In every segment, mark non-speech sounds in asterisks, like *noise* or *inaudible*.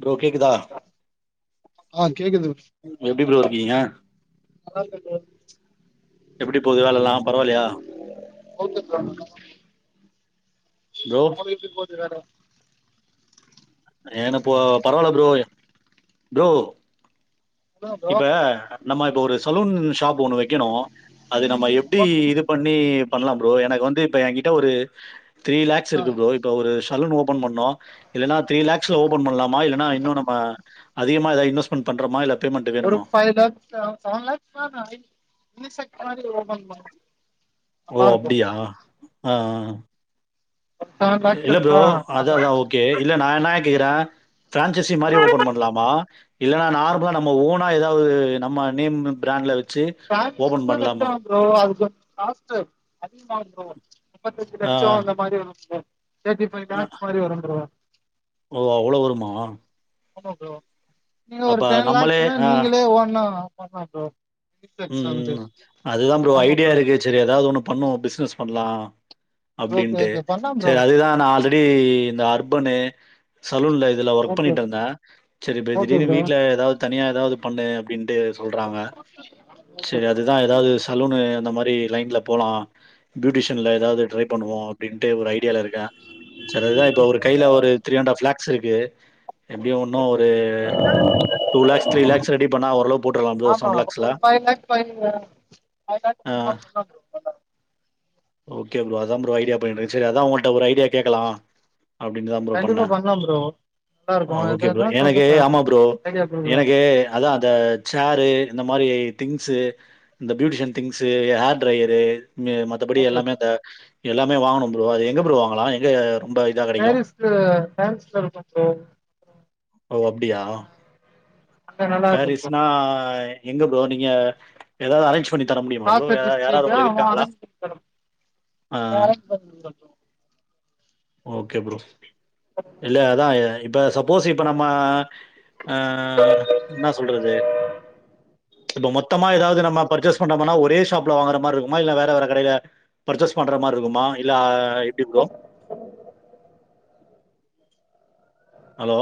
Bro கேக்குதா ஆ கேக்குது எப்டி ப்ரோ ஏன் *inaudible* எப்டி போது வேலலெல்லா பரவால்லையா ஒனக்கு எப்டி போது வேல ஏன்ன போ பரவால்ல ப்ரோ ப்ரோ அதா ப்ரோ இப்ப நம்ம இப்ப ஒரு சலூன் ஷாப் ஒண்ணு வெக்கனோம் அது நம்ம எப்டி ஓகே இது பண்ணி பண்லா ப்ரோ எனக்கு வந்து இப்ப என் கிட்ட ஒரு த்ரீ லேக்ஸ் ஆ இருக்கு ப்ரோ இப்ப ஒரு சலூன் ஓபன் பண்ணோம் இல்லன்னா த்ரீ லேக்ஸ்ல ஓபன் பண்ணலா மா இல்லன்னா இன்னு நம்ம அதிகமா எதா இன்வஸ்மென்ட் பண்றமா இல்ல பேமெண்ட் ஒரு வேணுமா ஃபை லாக்ஸ் செவன் லாக்ஸ் மேல ஆயி *unintelligible* ஒ அப்படியா ஆஹ் ஒரு செவன் லேக்ஸ் இல்ல ப்ரோ இருந்தா அத நல்லா அதான் ஓகே இல்ல நான் என்ன கேக்குறேன் பிரான்சைசி மாதிரி ஓபன் பண்ணலாமா இல்லன்னா நார்மலா நம்ம ஓனா ஏதாவது நம்ம நேம் பிராண்ட்ல வச்சு ஓப்பன் பிரான்சிஸ்ன பண்ணலாமா? கஷ்டம் ப்ரோ அது கொஞ்சம் காஸ்டு கஷ்டம் ப்ரோ நப்பத்தி அஞ்சு லட்சம் அந்த மாதிரி வரும் ப்ரோ தேர்ட்டி ஃபைவ் அஹ் லேக்ஸ் மாரி வரு ப்ரோ ஓ அவ்வளவு வருமா ஆமா ப்ரோ நீங்க ஒரு அப்ப டென் நம்மளே லேஸ்ன்னா நீங்களே ஒனா ஆமா ப்ரோ யூனிசெக்ஸ் வந்து உம்ம் அதுதான் ப்ரோ ஐடியா இருக்கு சரி ஏதாவது ஒண்ணு பண்னுவோம் பிசினஸ் பண்ணலாம் ஓகே அப்டின்ட்டு ஓகே பண்லா ப்ரோ சரி அதுதான் நான் ஆல்ரெடி இந்த அர்பனு சலூன்ல ஒர்க் ஓகே பண்ணிட்டு இருந்தன் சரி ஓகே திடீர்னு ப்ரோ வீட்ல ஏதாவது தனியா ஏதாவது பண்டைய அப்டின்ட்டு சொல்றாங்க சரி அதுதான் ஏதாவது சலூனு அந்த மாதிரி லைன்ல போ போலாம் பியூட்டிஷியன்ல ஏதாவது ட்ரை பண்ணுவோம் அப்டின்ட்டு ஒரு ஐடியால இருக்கன் சரி அத்தான் இப்ப ஒரு கையில ஒரு த்ரீ அண்ட்ப் ஆப் லேக்ஸ் இருக்கு க்கு எப்படியோ ஒன்னும் ஒரு two lakhs three lakhs ready பண்ணா ஓரளவு போட்டுரலாம் ப்ரோ ஆமா செவன் லேக்ஸ்ல ஆ *unintelligible* ஓகே ப்ரோ அத ஐடியா பண்ண சரி அதான் உங்ககிட்ட ஒரு ஐடியா கேட்கலாம் அப்டின்னு தான் ப்ரோ கண்டிப்பா பண்ணேன் பண்லா ப்ரோ நல்லா ஆ இருக்கு ஓகே ப்ரோ எதுன்னா எனக்கு சொல்லுங்க ஆமாம் ப்ரோ ஐடியா குடுக்குறோ எனக்கு அதான் அந்த சேரு இந்த மாரி திங்ஸ் இந்த பியூட்டிஷியன் திங்ஸ்வு ஹேர் டிரையரு மத்தபடி ஓகே எல்லாமே ப்ரோ அந்த எல்லாமே வாங்கணும் ப்ரோ அது எங்க ப்ரோ வாங்கலாம் எங்க ரொம்ப இதா கெடைக்கும்? பேரிஸ்ல இருக்கும் ப்ரோ ஓ அப்டியா அங்க நல்லா இருக்கு ப்ரோ பேரிஸ்னா எங்க ப்ரோ நீங்க ஏதாது அரஞ் ஆ *unintelligible* ஓகே ப்ரோ இல்ல அதா ப்ப சப்போஸ் இப்ப நம்ம அஹ் என்ன சொல்றது இப்ப மொத்தமா ஏதாது நம்ப பர்ச்சேஸ் பண்றோம்னா ஒரே ஷாப்ல வாங்குற மாரி இருக்குமா இல்ல வேற வேற கடயில பர்சேஸ் பண்ற மாரிருக்குமா இல்ல எப்டி ப்ரோ ஹலோ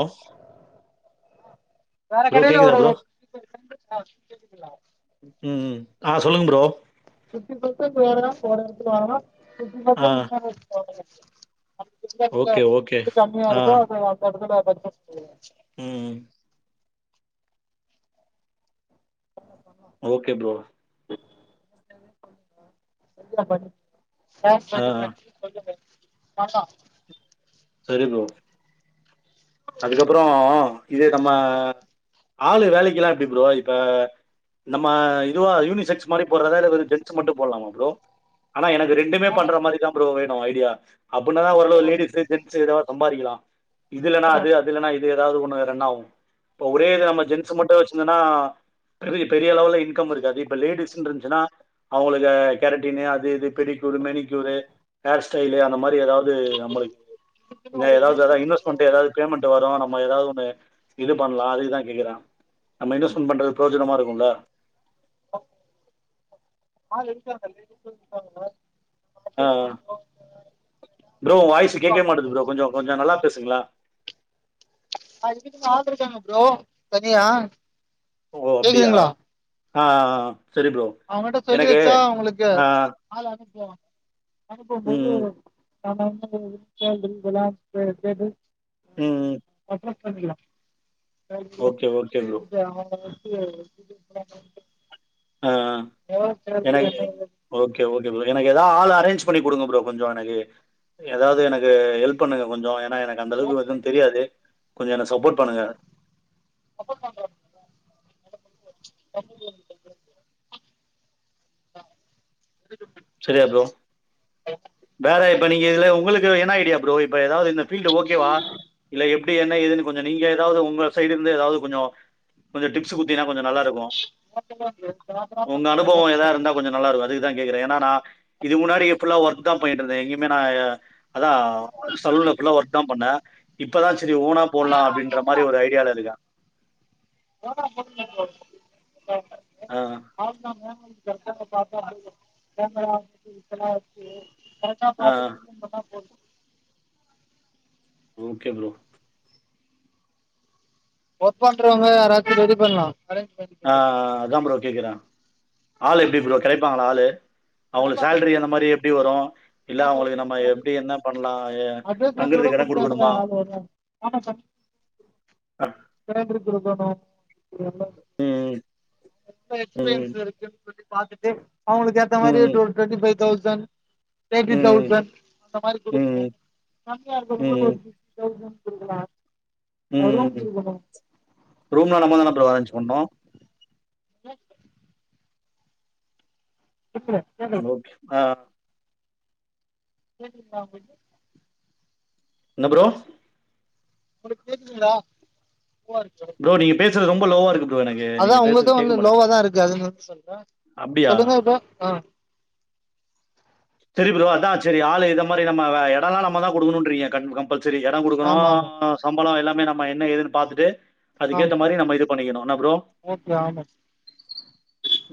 வேற ப்ரோ கடயில கேக்குதா ஒரு ப்ரோ? ஆஹ் சொல்லுங்க ப்ரோ பிப்டி பெர்சன் வேற எடத்துல வாங்லா பிப்டி ஆ பெர்சன் வேற எடத்துல வாங்லா ஓகே, ஓகே. எது கம்மியா இருக்கோ அது அந்த எடத்துல *unintelligible* உம்ம் ஓகே ப்ரோ *unintelligible* ஆ *unintelligible* பண்லா சரி ப்ரோ அதுக்கப்பறம் இது நம்ம ஆளு வேலக்கில்லா எப்டி ப்ரோ இப்ப நம்ம இதுவா யூனிசெக்ஸ் மாரி போறதா வெறு ஜென்ஸ் மட்டு போல்லாமா ப்ரோ ஆனா எனக் ரெண்டுமே பண்ற மாரிதா ப்ரோ ஐடியா அப்புன ஒரளவு லேடிசு ஜென்சு ஏத சம்பாரிக்கலா *inaudible* இதுல்லன்னா இது ஏதாது ஒன்னு ரன்னாவு இப்ப ஒரே நம்ம ஜென்ச மட்டு வச்சுருந்தனா ப்ரவி பெரியளவுல இன்கம் இருக்காது இப்ப லேடிஸ்ன்ருச்சுனா அவுங்களுக்கு கேரட்டீனு அது இது பெடிகியூர் மெனிகியூரு ஹேர்ஸ்டைலு அந்த மாரி ஏதாது நம்ளுக் இதுக்குன்னு இந்த ஒரு ஏதாது லிங்க் அதா இருக்கு ப்ரோ. இன்வெஸ்ட்மெண்ட் ஏதாது மன்ட்டு வரு நம்ம ஏதாது ஒண்ணு இது பண்லா அதுக்குதா கேக்குறே நம்ம இன்வெஸ்ட்மென்ட் பண்றது புரோஜனமா இருக்குல ஹலோ ஆள் இருக்காங்க லேடிஸ் இருப்பாங்க ஆஹ் ஆஹ் ப்ரோ வாய்ஸ் கேட்வே இருப்பாங்க. மாட்டுது ப்ரோ கொஞ்ச கொஞ்ச நல்லா பேசுங்ள அதுக்கின்னு ஆல்ருக்காங்க ப்ரோ தனியா ஓஓ அப்டியா ஆஹ் ஆஹ் ஆஹ் அவங்கிட்ட சொல்லி வச்சா உங்களுக்கு ஆ ஆள் அனுப்புவாங்க ம், அனுப்பும்போது *unintelligible* ம், ம். Okay, okay bro. *unintelligible* *unintelligible* *unintelligible* *unintelligible* ஆ என்ன ஏதுன்னு எனக்கு ஓகே ஓகே எனக்கு ஏதாவது ஆள அரேஞ்ச் பண்ணி கொடுங்க ப்ரோ கொஞ்சம் எனக்கு ஏதாவது எனக்கு ஹெல்ப் பண்ணுங்க கொஞ்சம் எனக்கு அந்த அளவுக்கு கேட்டு எதும் தெரியாது கொஞ்சம் என்ன சப்போர்ட் பண்ணுங்க *unintelligible* சரியா ப்ரோ வேற இப்ப நீங்க இதுல உங்களுக்கு என்ன ப்ரோ இந்த பீல்ட்ஓகேவா இல்ல எப்படி என்னதுன்னு கொஞ்சம் நீங்க ஏதாவது உங்க சைடு இருந்து ஏதாவது கொஞ்சம் கொஞ்சம் டிப்ஸ் குடுத்தீங்கன்னா கொஞ்சம் நல்லா இருக்கும் ஆ உங்க பண்ணா அனுபவம் எல்லாமே எதாது இருந்தால் கிடைக்கும் கொஞ்சம் நல்லா இருக்கும் அதுக்கு அதான் கேக்றேன் என்னா இது முன்னாடி ஒர்க் தான் பண்ணிந்தேன் எங்குமே நான் அதான் சலூன் ஒர்க் தான் பண்ணேன் இப்பதான் சேரி ஓனா போலாம் அப்படின்ற மாதிரி ஒரு ஐடியால இருக்க *unintelligible* ஆ, ஆமா *unintelligible* கரெக்டா ஆ. பாத்து மெய்டன் பண்ணாபோதும் ஓகே ப்ரோ ஒர்க் பண்றவுங்க யாராச்சும் ரெடி பண்லாம் ஆஹ் அதாம் ப்ரோ கேக்குறேன் ஆளு எப்டி ப்ரோ கிடைப்பாங்களா ஆளு *inaudible* அவங்களுக்கு கிடைப்பாங்க சேலரி அந்த மாதிரி எப்படி வரும் இல்ல எல்லா அவங்களுக்கு பேருக்கும் இந்த நம்ம மாதிரி எப்படி என்ன பண்ணலாம் அட்ரஸ் தங்குறதுக்கு மட்டும் இடம் கொடுத்தாலுங்க குடுக்கணுமா ஆள் வரும் ஆமாம் சார் ஹ சிலிண்ட்ரு *inaudible* எக்ஸ்பீரியன்ஸ் ம், இருக்குன்னு சொல்லி பாத்துட்டு ம், அவுங்களுக்கு *unintelligible* பைய் தௌசண்ட் ம், தேட்டி ம், தௌசண்ட் அந்த மாரி கொடுக்குங்க ம், கம்மியா இருக்கவுங்களுக்கு ஃபிப்டி தெளசண்ட் குடுக்கலாம் உம் ரூம்ல நம்ம தான் ப்ரோ அரேஞ் பணும் *unintelligible* கேட்கல ஓகே ஆஹ் கேக்குதா உங்களுக்கு என்ன ப்ரோ உனக்கு கேக்குதுங்களா ஓகே ப்ரோ நீங்க ரொம்ப லோவா இருக்கு ப்ரோ எனக்கு நீங்க அதான் பேசுறது உங்கதும் கேட்க வந்து மாட்டேங்குது லோவாதான் இருக்கு அதுன்னு சொல்றேன் அப்படியா சொல்லுங்க இப்ப ஆஹ் சரி ப்ரோ அதான் சரி ஆளு இத மாதிரி நம்ம எடல்லாம் நம்ம தான் கொடுக்கணும்றீங்க ப சரி இடம் கொடுக்கணும் ஆமாம் ஆமாம் சம்பளம் எல்லாம் நம்ம என்ன ஏதுன்னு பார்த்துட்டு அதுக்கேத்த ஆமாம் மாதிரி நம்ம இது பண்ணிக்கணும் ஏன ப்ரோ ஓகே ஆமாம்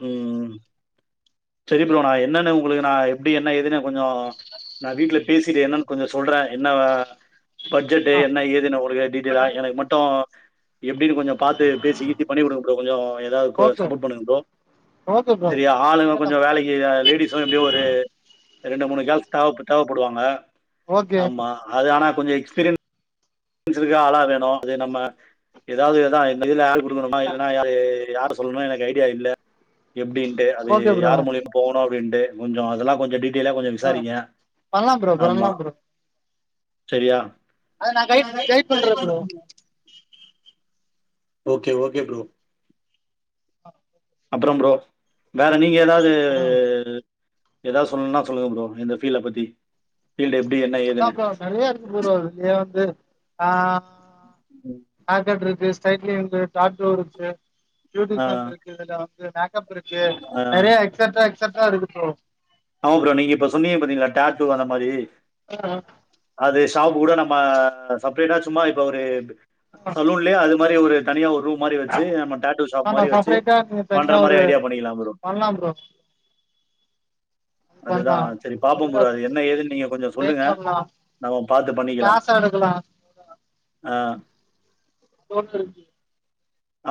உம் சரி ப்ரோ நா என்னன்னு உங்களுக்கு நான் அப்படி என்ன எதுன கொஞ்சம் நான் வீட்டுல பேசிட்டு என்னன்னு கொஞ்சம் சொல்றேன் என்ன பட்ஜெட்டு ஆ என்ன ஏதுனு உங்களுக்கு டீட்டெயலா எனக்கு மட்டும் எப்படின்னு கொஞ்சம் பார்த்து பேசி ஈசி பண்ணி கொடுக்கம் கொஞ்சம் ஏதாவது ஓகே சப்போர்ட் பண்ணுங்கம் ஓகே ப்ரோ சரியா ஆளுங்க பண்ணிடலாம் கொஞ்சம் ப்ரோ. வேலைக்கு லேடிஸ்லாம் எப்படியோ ஒரு ரெண்டு மூணு கேள்ஸ் தேவை தேவைப்படுவாங்க ஓகே ஆமா அது ஆனா கொஞ்சம் எஸ்பீரியன்ஸ் ஆளா வேணும் அது நம்ம ஏதாவது ஏ மொதுல ஆள் கொடுக்கணோமா இல்ன்னாயரு யாரும் சொல்லணும் எனக்கு ஐடியா இல்ல எப்படின்ட்டு அது ஓகே ப்ரோ யார் மூலியம் போகனும் அப்பின்ட்டு கொஞ்சம் அதெல்லாம் கொஞ்சம் டி ஆஹ் பண்ணலாம் ப்ரோ ஆமா பண்ணலாம் ப்ரோ சரியா அத நான் கைட் கைட் பண்றேன் ப்ரோ ஓகே ஓகே ப்ரோ அப்புறம் ப்ரோ வேற நீங்க ஏதாவது ஏதாவது சொல்லணும்ன்னா சொல்லுங்க ப்ரோ இந்த ஃபீல் பத்தி ஃபீல்டு எப்படி என்ன ஏதுன்னு ஆமாம் ப்ரோ நேறய இருக்கு ப்ரோ ஆஹ் ஆற்காடு ரிஜிஸ்ட் சைட்லயே வந்து டாட்டு இருச்சு ஆ, பியூட்டிசன் இருக்கு இதுல வந்து மேக்கப் இருக்கு ஆ. நெறைய எக்சட்ரா எக்சட் செட்டா இருக்கு ப்ரோ ஆமா ப்ரோ நீங்க இப்ப சொன்னீங்க பாத்தீங்களா டாட்டு அந்த மாதிரி அது ஷாப் கூட நம்ம செப்ரேட்டா சும்மா இப்ப ஒரு சலூன்லையா அது இது மாத்ரி ஒரு தனியா ஒரு ரூம் மாதிரி வச்சு நம்ம டாட்டு ஷாப் ஆமா மாதிரி வச்சு செப்ரேட்டா நீங்க பண்ற தனியா ஒரு மாதிரி ஐடியா பண்ணிக்கலாம் ப்ரோ பண்ணலாம் ப்ரோ அது அதுதான் பண்ணலாம் செரி பாப்போம் நெறையா ப்ரோ அது இருக்கு என்ன ஏதுன்னு நீங்க கொஞ்சோ ட்ரெயின் சொல்லுங்க பண்ணலாம் நம்ம பாத்து பண்ணிக்கலாம் கிளாஸ் எடுக்கலாம் ஆஹ் கோர்ஸ் இருக்கு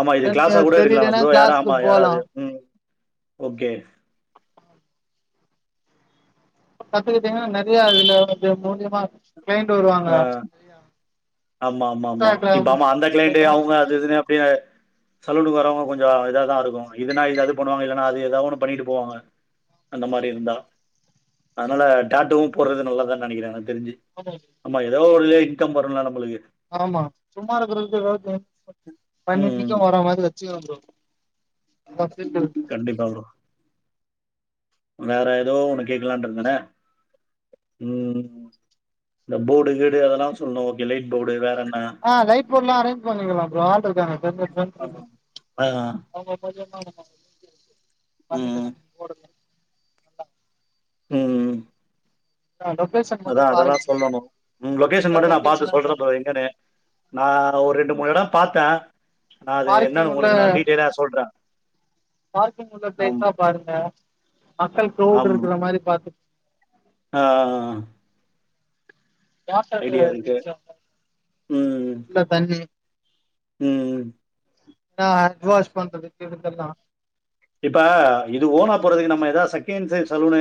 ஆமா இது இல்ல நீங்க கிளாஸா கூட எடுக்கலாம் தெரியலன்னா ப்ரோ யாரா கிளாஸ்க்கு ஆமா போலா யாராவது உம் ஓக்கே கத்துக்கிட்டீங்கன்னா நெறைய இதுல இது மூலயமா இரு ஆஹ் ஆமா ஆமா ஆமா இப்ப இன்ஸ்டாகிராம் ஆமா அந்த கிளைண்ட்டு அவங்க அது இதுனு அப்படியே சலூனுக்கு வரவங்க கொஞ்சம் இத தான் இருக்கும் இதுன்னா இது அது பண்ணுவாங்க இல்லன்னா அது ஏதாவது ஒண்ணு பண்ணிட்டு போவாங்க அந்த மாதிரி இருந்தா அதனால டாட்டுவும் போடுறது நல்லதான் நெனைக்கிறேன் பாப்போம் ஏதோ ஒருல இன்கம் வரும்ல நமக்கு ஆமா சும்மா இருக்கரத்துக்கு ஏதாவது பண்ணி ம் ம். இன்கம் வர மாதிரி தான் ப்ரோ ச்ச *unintelligible* கண்டிப்பா ப்ரோ வேற ஏதோ ஒண்ணு கேக்கலான்னு இருந்தேனே உம் இந்த போர்டு கீடு அதெல்லாம் சொல்லணும் ஓக்கே லைட் போர்டு வேற என் ஆஹ் லைட் போர்டு எல்லாம் அரேஞ்ச் பண்ணிக்கலாம் ப்ரோ ஆள் இருக்காங்க ஆ ம் பண்ணிக்கலாம் போர்டுலா நல்லா உம் உம் லொகேஷன் மட்டு அதான் பாருங்க அதெல்லாம் சொல்லணும் லொகேஷன் நல்ல மட்டும் நான் பார்த்து லொகேஷனா சொல்றேன் பாருங்க ப்ரோ எங்கன்னு நான் ஒரு ரெண்டு மூணு இடம் பாத்தேன் பார்க்கிங் உள்ள சொல்றே பார்க்கிங் உள்ள ஆமா பிளேஸா பாருங்க மக்கள் க்ரவுட் இருக்கற மாதிரி பாத்து ஆஹ் ஆஹ் ஆஹ் *unintelligible* இல்ல தண்ணி உம் உம் ஆஹ் வாஷ் பண்ற இதுகேல்லாம் இப்ப இது ஓனா போறதுக்கு நம்ம ஏதாவது செகண்ட் சலூனு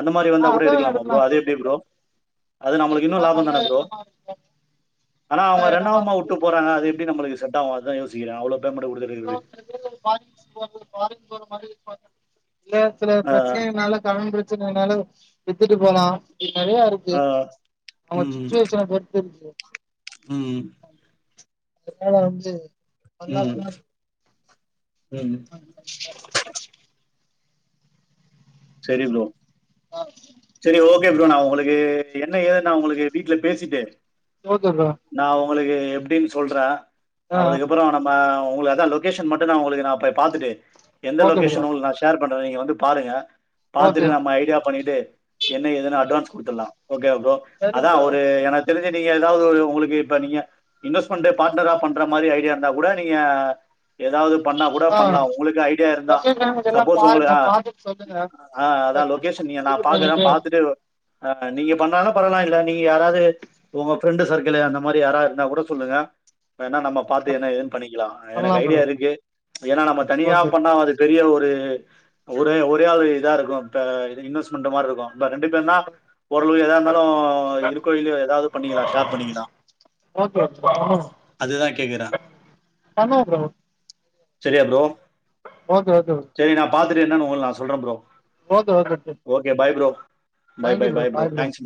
அந்த மாதிரி வந்தா ஆ கூட அதா எடுக்கலாமா எடுக்கலா ப்ரோ அது எப்படி ப்ரோ அது நம்மளுக்கு இன்னும் எடுக்கலா லாபம் தான நல்ல ப்ரோ இடமா இருக்கு ஆனா அவங்க நல்ல இடமா ரெண்டாவமா விட்டு இருக்கு போறாங்க அது எப்படி நம்ளுக்கு செட் ஆவும் அதா யோசி திராவு ப்ரோ *inaudible* *unintelligible* இல்ல சில ஆ பிரச்சனைகள்னால *unintelligible* ச்சினாலும் வித்துட்டு போலாம் இது நிறைய இருக்கு ஆ அவங்க சுச்சுவேஷன் பொறுத்து இருக்கு உஹம் அதனால வந்து பண்லா உம் ப்ரோ *inaudible* சரி ப்ரோ ஆ சரி ஓகே ப்ரோ நா உங்களுக்கு என்ன ஏதன்னா உங்களுக்கு வீட்டுல பேசிட்டு ஓக்கே ப்ரோ நா உங்களுக்கு எப்படின்னு சொல்றேன் ஆ ஆ அதுக்கப்புறம் நம்ம உங்கள அதான் லொகேஷன் மட்டும் தான் உங்களுக்கு நான் போய் பாத்துட்டு எந்த ஓகே லொகேஷன் ப்ரோ உங்களுக்கு நான் ஷேர் பண்ற நீங்க வந்து பாருங்க ஓகே பாத்துட்டு நம்ம ஐடியா பண்ணிட்டு *inaudible* என்ன ஏதுன்னு ஓகே அட்வான்ஸ் கொடுத்துடலாம் ஓகேவா ப்ரோ சரிங்க அதான் ப்ரோ ஒரு எனக்கு தெரிஞ்சு நீ ஏதாவது உங்களுக்கு இப்ப நீங்க இன்வெஸ்ட்மெண்ட் பார்டனரா பண்ற மாரி ஐடியா இருந்த கூட நீங்க ஏதாவது பண்ணா கூட ஆ பண்ணலாம் உங்களுக்கு ஐடியா இருந்தான் லொகேஷன் இதெல்லா சப்போஸ் உங்களா பாருங்க ஹான் பாத்துட்டு சொல்லுங்க ஆஹ் அப்ப அதான் லொகேஷன் நீங்க இது நான் பாக்குறேன் பண்ணிட்டு பாத்துட்டு ஆஹ் நீங்க பண்ணாலு பரவலா இல்ல நீங்க யாராவது உங்க ஃப்ரெண்டு சர்க்கிள் அந்த மாரி யாரா இருந்தா கூட சொல்லுங்க நம்ம பாத்து ஆ என்ன ஏதுன்னு பண்ணிக்கலாம் பண்ணலா எனக்கு ஐடியா ப்ரோ இருக்கு ஏன்னா நம்ம தனியா ஓகே பண்ண அது பெரிய ஒரு து ஒரே ஒரையா இதா இருக்கும் இப்ப இன்வெஸ்மெண்ட் மாரி இருக்கும் நம்ம ரெண்டு பேர்னா ஓரளவு எதா இருந்தாலும் இருக்கோ இல்லையோ ஏதாவது பண்ணிக்கலாம் ஷேர் பண்ணிக்கலாம் ஓகே ஓகே பண்ணுவோ அதுதான் கேக்குறேன் பண்ணுவோ சரியா ப்ரோ ஓக்கே ஓக்கே *unintelligible* நான் சொல்றன் bro okay okay okay bye bro bye bye thank you bro bye bye bro thanks